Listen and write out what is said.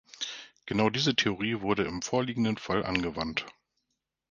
Genau diese Theorie wurde im vorliegenden Fall angewandt.